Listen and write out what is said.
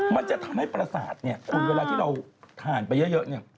มันจะทำให้ปราศาสตร์คุณเวลาที่เราทานไปเยอะ